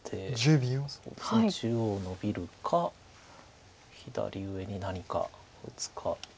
そうですね中央ノビるか左上に何か打つか。